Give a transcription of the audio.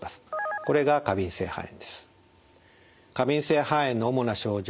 これが過敏性肺炎です。